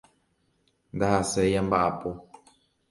Ndahaséi amba'apo.